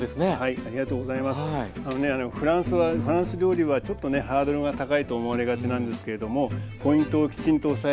あのねフランス料理はちょっとねハードルが高いと思われがちなんですけれどもポイントをきちんと押さえればね